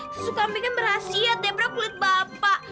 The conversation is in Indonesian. susu kambing kan berhasiat ya berat kulit bapak